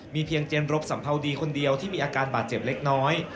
เพียงเจนรบสัมภาวดีคนเดียวที่มีอาการบาดเจ็บเล็กน้อย